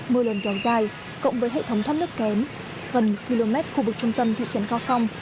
mưa lớn kéo dài cộng với hệ thống thoát nước kém gần km khu vực trung tâm thị trấn cao phong